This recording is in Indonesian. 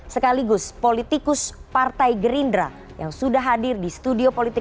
sekaligus politikus partai gerindra yang sudah hadir di studio politik